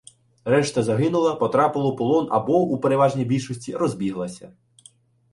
Решта загинула, потрапила у полон або, у переважній більшості, розбіглася.